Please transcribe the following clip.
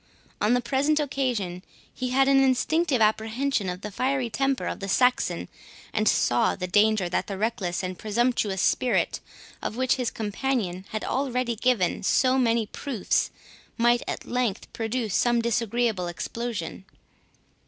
On the present occasion, he had an instinctive apprehension of the fiery temper of the Saxon, and saw the danger that the reckless and presumptuous spirit, of which his companion had already given so many proofs, might at length produce some disagreeable explosion.